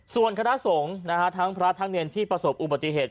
ส่วนคณะสงฆ์ทั้งพระทั้งเนรที่ประสบอุบัติเหตุ